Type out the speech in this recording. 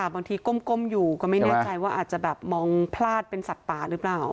ก้มอยู่ก็ไม่แน่ใจว่าอาจจะแบบมองพลาดเป็นสัตว์ป่าหรือเปล่า